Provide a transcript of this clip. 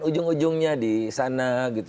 ujung ujungnya di sana gitu